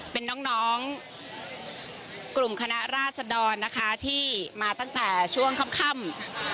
เป็นน้องกลุ่มคณะราษดรนะคะที่มาตั้งแต่ช่วงค่ำ